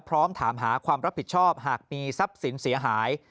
พร้อมถามหาความรับผิดชอบหากมีทรัพย์สินเสียหาย